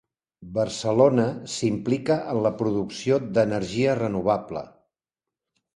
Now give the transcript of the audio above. Barcelona s'implica en la producció d'energia renovable